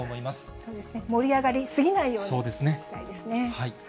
そうですね、盛り上がり過ぎないようにしたいですね。